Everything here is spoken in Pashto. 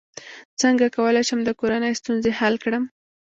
څنګه کولی شم د کورنۍ ستونزې حل کړم